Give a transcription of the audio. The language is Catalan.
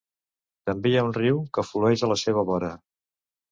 També hi ha un riu que flueix a la seva vora.